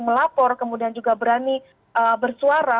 melapor kemudian juga berani bersuara